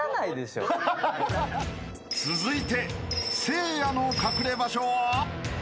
［続いてせいやの隠れ場所は？］